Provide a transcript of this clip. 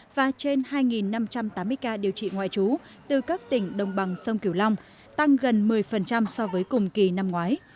và trên hai năm trăm tám mươi ca điều trị ngoại trú từ các tỉnh đồng bằng sông kiểu long tăng gần một mươi so với cùng kỳ năm ngoái